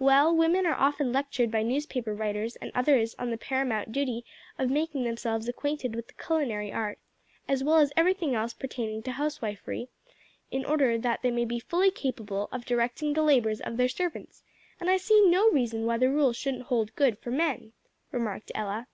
"Well, women are often lectured by newspaper writers and others on the paramount duty of making themselves acquainted with the culinary art, as well as everything else pertaining to housewifery, in order that they may be fully capable of directing the labors of their servants, and I see no reason why the rule shouldn't hold good for men," remarked Ella.